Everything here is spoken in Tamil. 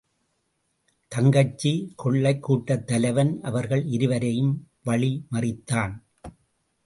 தங்கச்சி! கொள்ளைக் கூட்டத் தலைவன் அவர்கள் இருவரையும் வழி மறித்தான்.